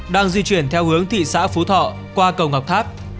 đang di chuyển theo hướng thị xã phú thọ qua cầu ngọc tháp